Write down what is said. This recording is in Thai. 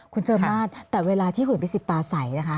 คุณเจอมากแต่เวลาที่หุ่นประสิทธิปาศัยนะคะ